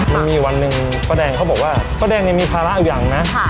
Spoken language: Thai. มันมีวันหนึ่งป้าแดงเขาบอกว่าป้าแดงเนี่ยมีภาระอยู่อย่างนะ